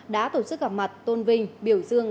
đã tổ chức gặp mặt tôn vinh biểu dương